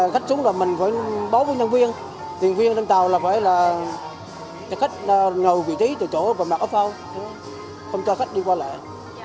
khách xuống rồi mình phải báo với nhân viên nhân viên đơn tàu là phải là khách nầu vị trí từ chỗ và mặc áo phao không cho khách đi qua lại